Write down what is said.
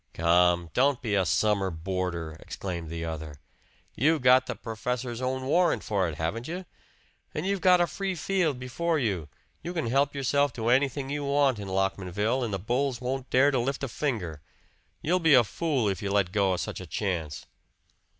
"Come! Don't be a summer boarder!" exclaimed the other. "You've got the professor's own warrant for it, haven't you? And you've got a free field before you you can help yourself to anything you want in Lockmanville, and the bulls won't dare to lift a finger! You'll be a fool if you let go of such a chance."